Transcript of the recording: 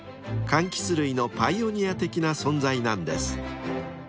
［かんきつ類のパイオニア的な存在なんです］